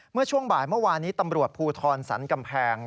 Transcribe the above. เมื่อช่วงบ่ายเมื่อวานนี้ตำรวจภูทรสรรกำแพง